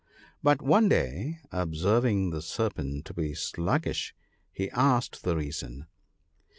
But one day observing the Serpent to be sluggish, he asked the reason.